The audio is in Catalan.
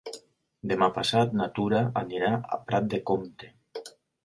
Demà passat na Tura anirà a Prat de Comte.